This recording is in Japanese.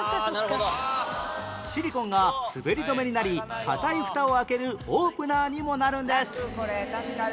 シリコンが滑り止めになり硬いフタを開けるオープナーにもなるんです